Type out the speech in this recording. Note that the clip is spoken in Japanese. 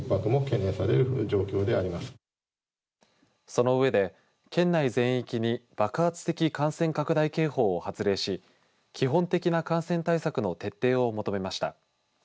その上で、県内全域に爆発的感染拡大警報を発令し基本的な感染対策の徹底を求めました。